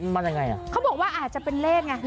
มันยังไงอ่ะเขาบอกว่าอาจจะเป็นเลขไง